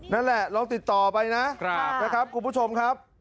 นั่นแหละลองติดต่อไปนะครับคุณผู้ชมครับ